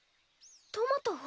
トマトを？